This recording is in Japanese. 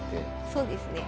そうですね。